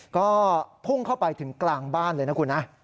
ก็พุ่งเข้าไปถึงกลางบ้านเลยนะคุณนะ